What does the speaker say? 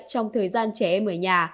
trong thời gian trẻ em ở nhà